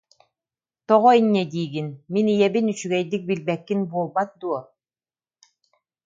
Тоҕо инньэ диигин, «мин ийэбин үчүгэйдик билбэккин буолбат дуо